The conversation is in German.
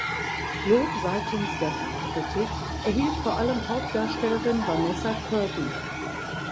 Lob seitens der Fachkritik erhielt vor allem Hauptdarstellerin Vanessa Kirby.